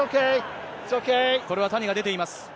これは谷が出ています。